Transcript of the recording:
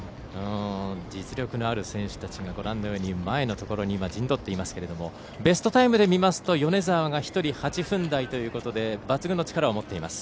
実力のある選手たちが前のところに陣取っていますがベストタイムで見ますと米澤が１人８分台ということで抜群の力を持っています。